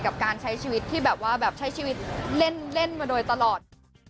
กับการใช้ชีวิตที่แบบว่าแบบใช้ชีวิตเล่นมาโดยตลอด